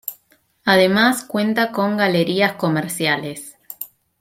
Además, cuenta con galerías comerciales.